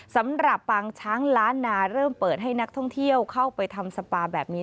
ปางช้างล้านนาเริ่มเปิดให้นักท่องเที่ยวเข้าไปทำสปาแบบนี้